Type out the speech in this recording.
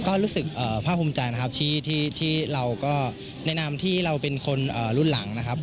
ก็รู้สึกภาพภูมิใจนะครับที่เราก็ในนามที่เราเป็นคนรุ่นหลังนะครับ